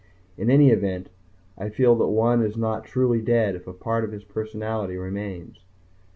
In any event, I feel that one is not truly dead if a part of his personality remains.